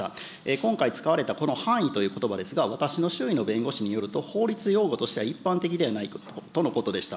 今回、使われたこの犯意ということばですが、私の周囲の弁護士によると、法律用語としては一般的ではないとのことでした。